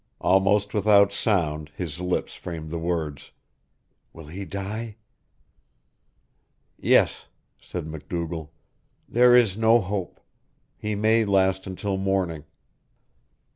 Almost without sound his lips framed the words, "Will he die?" "Yes," said MacDougall. "There is no hope. He may last until morning."